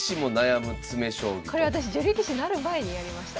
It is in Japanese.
これ私女流棋士になる前にやりました。